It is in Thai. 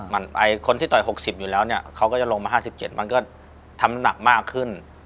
คนที่ต่อย๖๐อยู่แล้วเนี่ยเขาก็จะลงมา๕๗มันก็ทำน้ำหนักมากขึ้น